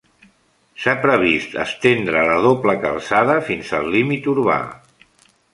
S'ha previst estendre la doble calçada fins al límit urbà.